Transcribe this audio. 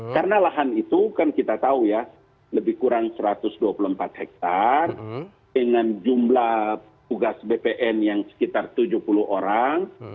karena lahan itu kan kita tahu ya lebih kurang satu ratus dua puluh empat hektar dengan jumlah tugas bpn yang sekitar tujuh puluh orang